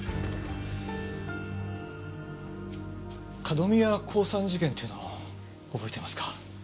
角宮興産事件というのを覚えてますか？